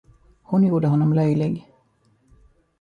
Hon gjorde honom löjlig.